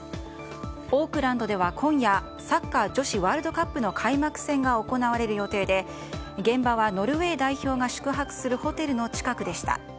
オークランドでは今夜サッカー女子ワールドカップの開幕戦が行われる予定で現場はノルウェー代表が宿泊するホテルの近くでした。